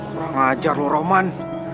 kurang ajar loh roman